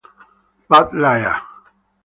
Bad Liar